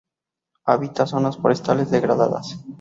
Habita zonas forestales degradadas.